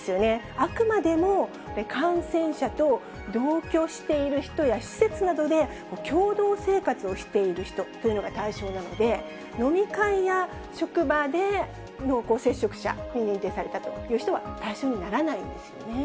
あくまでも感染者と同居している人や施設などで、共同生活をしている人というのが対象なので、飲み会や職場で濃厚接触者に認定された人というのは対象にならないんですよね。